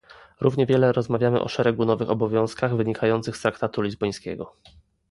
Równie wiele rozmawiamy o szeregu nowych obowiązkach wynikających z traktatu lizbońskiego